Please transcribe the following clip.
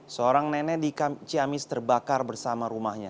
seorang nenek di ciamis terbakar bersama rumahnya